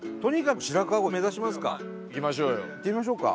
行ってみましょうか。